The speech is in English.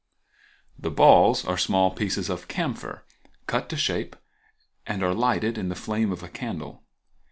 The balls are small pieces of camphor cut to shape, and are lighted in the flame of a candle.